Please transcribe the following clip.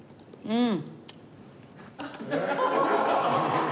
うん。